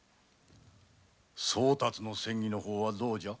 宗達の詮議の方はどうじゃ？